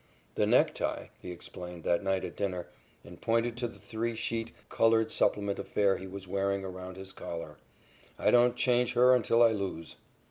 "The necktie," he explained that night at dinner, and pointed to the three sheet, colored supplement affair he was wearing around his collar, "I don't change her until I lose."